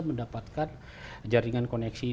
mendapatkan jaringan koneksi dari